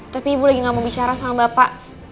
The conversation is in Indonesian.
tapi ibu lagi gak mau bicara sama bapak